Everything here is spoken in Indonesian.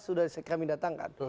sudah kami datangkan